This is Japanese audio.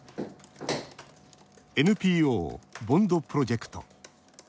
ＮＰＯ、ＢＯＮＤプロジェクト。